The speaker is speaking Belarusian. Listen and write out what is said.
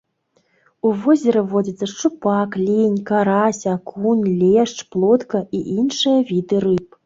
У возеры водзяцца шчупак, лінь, карась, акунь, лешч, плотка і іншыя віды рыб.